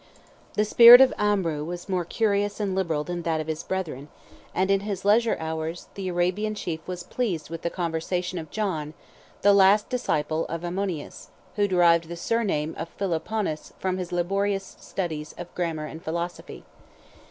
The spirit of Amrou was more curious and liberal than that of his brethren, and in his leisure hours, the Arabian chief was pleased with the conversation of John, the last disciple of Ammonius, and who derived the surname of Philoponus from his laborious studies of grammar and philosophy.